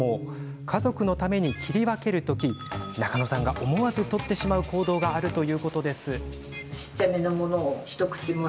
家族のために切り分ける時中野さんが思わず取ってしまう行動があります。